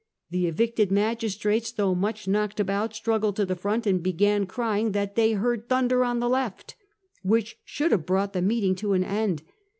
The evicted magistrates, though much knocked about, struggled to the front and began crying that they heard thunder on the left," which should have brought the meeting to an end.